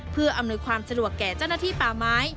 เพื่ออำนวยความสะดวกแก่เจ้าหน้าที่ป่าไม้